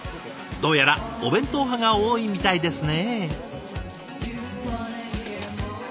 どうやらお弁当派が多いみたいですね。